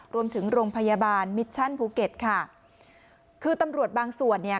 โรงพยาบาลมิชชั่นภูเก็ตค่ะคือตำรวจบางส่วนเนี่ย